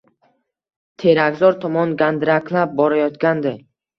Terakzor tomon gandiraklab borayotgandi